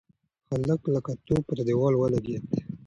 هلک لکه توپ پر دېوال ولگېد.